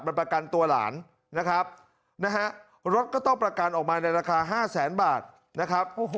มันประกันตัวหลานนะครับนะฮะรถก็ต้องประกันออกมาในราคา๕แสนบาทนะครับ